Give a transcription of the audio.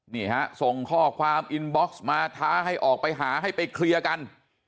นี่ฮะส่งข้อความอินบ็อกซ์มาท้าให้ออกไปหาให้ไปเคลียร์กัน